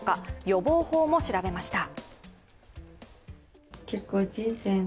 予防法も調べました。